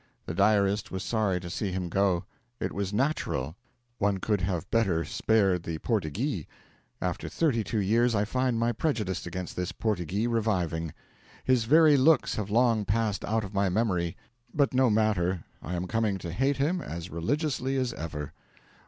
The diarist was sorry to see him go. It was natural; one could have better spared the 'Portyghee.' After thirty two years I find my prejudice against this 'Portyghee' reviving. His very looks have long passed out of my memory; but no matter, I am coming to hate him as religiously as ever.